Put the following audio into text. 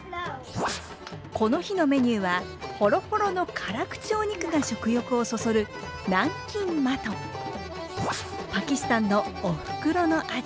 この日のメニューはほろほろの辛口お肉が食欲をそそるパキスタンのおふくろの味